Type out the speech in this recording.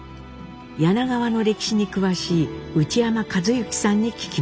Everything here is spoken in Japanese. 柳川の歴史に詳しい内山一幸さんに聞きました。